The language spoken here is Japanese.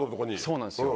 そうなんですよ。